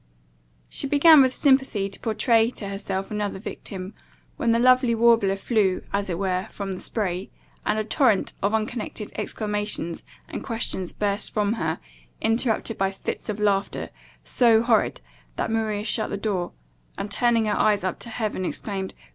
She began with sympathy to pourtray to herself another victim, when the lovely warbler flew, as it were, from the spray, and a torrent of unconnected exclamations and questions burst from her, interrupted by fits of laughter, so horrid, that Maria shut the door, and, turning her eyes up to heaven, exclaimed "Gracious God!"